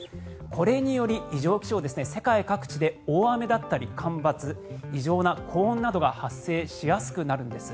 これにより異常気象世界各地で大雨だったり干ばつ異常な高温などが発生しやすくなるんです。